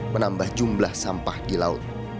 menambah jumlah sampah di laut